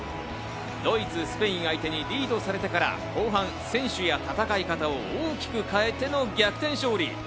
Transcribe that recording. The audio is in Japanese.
ドイツ、スペイン相手にリードされてから後半、選手や戦い方を大きく変えての逆転勝利。